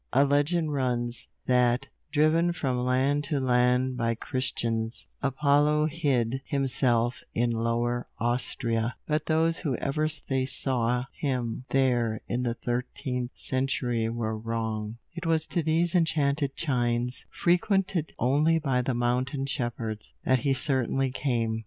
A legend runs, that, driven from land to land by Christians, Apollo hid himself in Lower Austria, but those who ever they saw him there in the thirteenth century were wrong; it was to these enchanted chines, frequented only by the mountain shepherds, that he certainly came.